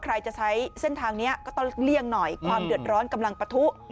ใครจะใช้เส้นทางนี้ก็ต้องเลี่ยงหน่อยความเดือดร้อนกำลังปะทุ